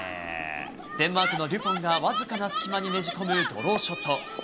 デンマークのデュポンが僅かな隙間にねじ込むドローショット。